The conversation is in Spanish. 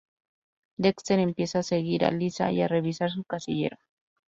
Dexter empieza a seguir a Lisa y a revisar su casillero.